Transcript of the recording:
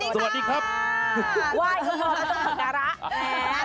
สวัสดีค่ะ